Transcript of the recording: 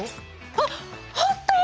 あっあった！